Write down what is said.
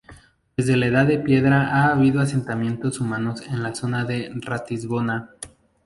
Desde la Edad de Piedra ha habido asentamientos humanos en la zona de Ratisbona.